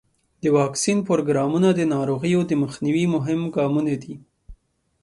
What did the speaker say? د واکسین پروګرامونه د ناروغیو د مخنیوي مهم ګامونه دي.